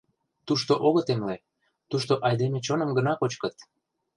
— Тушто огыт эмле, тушто айдеме чоным гына кочкыт...